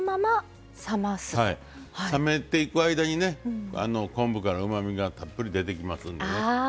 冷めていく間に昆布からうまみがたっぷり出てきますんでね。